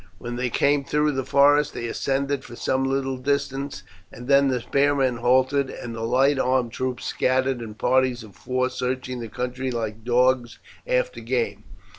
When they came through the forest they ascended for some little distance, and then the spearmen halted and the light armed troops scattered in parties of four searching the country like dogs after game.